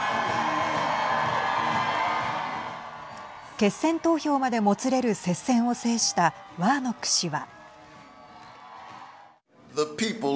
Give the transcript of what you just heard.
決選投票までもつれる接戦を制したワーノック氏は。